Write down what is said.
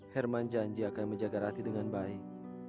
herman janji akan menjaga rati dengan baik